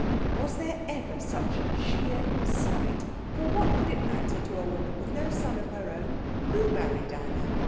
Was there ever such sheer spite? For what could it matter to a woman with no son of her own, who married Anna?